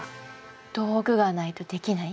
道具がないとできない？